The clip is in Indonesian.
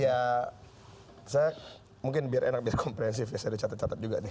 ya saya mungkin biar enak biar komprehensif ya saya dicatat catat juga nih